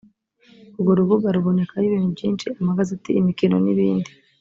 urwo rubuga rubonekaho ibintu byinshi amagazeti imikino n’ibindi